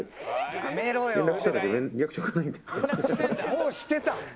「もうしてた」